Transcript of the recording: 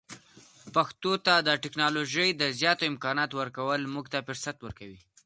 پښتو ته د ټکنالوژۍ د زیاتو امکاناتو ورکول موږ ته فرصت ورکوي.